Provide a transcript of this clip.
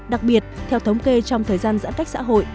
đặc biệt theo thống kê trong thời gian giãn cách xã hội